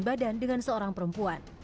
badan dengan seorang perempuan